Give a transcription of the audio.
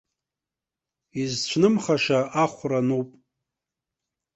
Изцәнымхаша ахәра ануп!